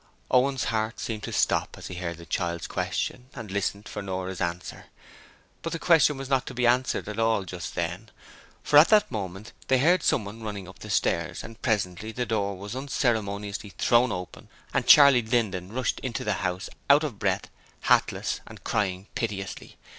Owen's heart seemed to stop as he heard the child's question and listened for Nora's answer, but the question was not to be answered at all just then, for at that moment they heard someone running up the stairs and presently the door was unceremoniously thrown open and Charley Linden rushed into the house, out of breath, hatless, and crying piteously.